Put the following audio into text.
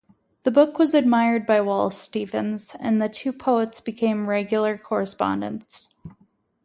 The book was admired by Wallace Stevens and the two poets became regular correspondents.